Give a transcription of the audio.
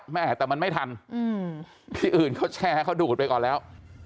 แม่แต่มันไม่ทันที่อื่นเขาแชร์เขาดูดไปก่อนแล้ว